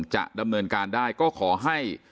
จะดำเนินการได้ก็ขอให้